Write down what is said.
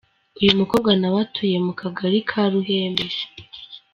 Uyu mukobwa na we atuye mu Kagari ka Ruhembe.